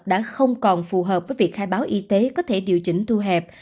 đã không còn phù hợp với việc khai báo y tế có thể điều chỉnh thu hẹp